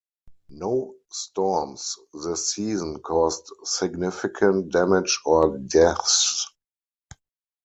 No storms this season caused significant damage or deaths.